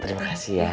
terima kasih ya